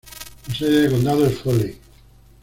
La sede de condado es Foley.